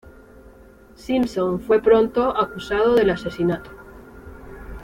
Simpson fue pronto acusado del asesinato.